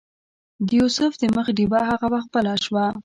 د یوسف د مخ ډیوه هغه وخت بله شوه.